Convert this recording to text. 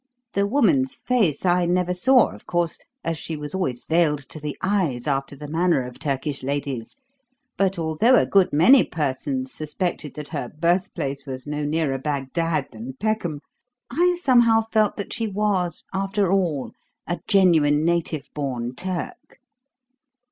The woman's face I never saw, of course, as she was always veiled to the eyes after the manner of Turkish ladies. But although a good many persons suspected that her birthplace was no nearer Bagdad than Peckham, I somehow felt that she was, after all, a genuine, native born Turk."